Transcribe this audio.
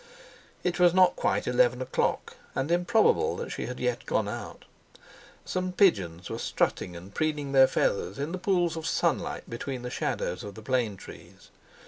It was not quite eleven o'clock, and improbable that she had yet gone out. Some pigeons were strutting and preening their feathers in the pools of sunlight between the shadows of the plane trees.